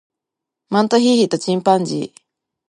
マントヒヒとチンパンジー